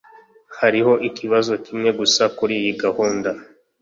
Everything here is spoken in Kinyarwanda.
Hariho ikibazo kimwe gusa kuriyi gahunda